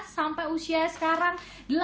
sampai usia sekarang